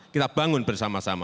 kita bangun bersama sama